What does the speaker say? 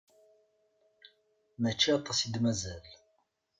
Mačči aṭas i d-mazal.